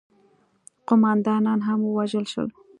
قوماندانان هم ووژل شول.